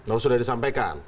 oh sudah disampaikan